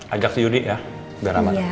ajak sih yudi ya biar aman